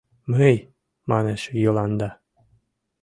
— Мый! — манеш Йыланда.